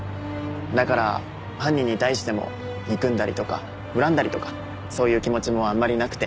だから犯人に対しても憎んだりとか恨んだりとかそういう気持ちもあんまりなくて。